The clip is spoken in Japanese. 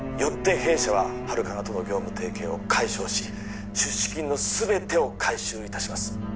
弊社はハルカナとの業務提携を解消し出資金のすべてを回収いたします